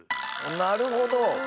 なるほど。